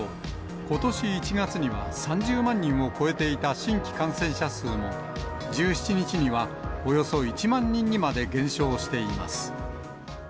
ことし１月には３０万人を超えていた新規感染者数も、１７日にはおよそ１万人にまで減少しています。